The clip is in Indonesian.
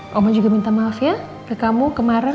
mama juga minta maaf ya ke kamu kemaren